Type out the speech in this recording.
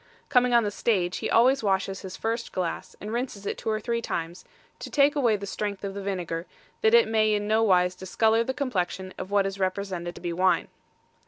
Coming on the stage, he always washes his first glass, and rinses it two or three times, to take away the strength of the vinegar, that it may in no wise discolour the complexion of what is represented to be wine.